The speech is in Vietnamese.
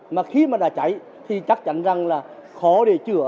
mà khi mà đã cháy thì chắc chắn rằng là khó để chữa